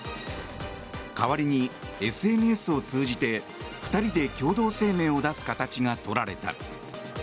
代わりに、ＳＮＳを通じて２人で共同声明を出す形が取られた。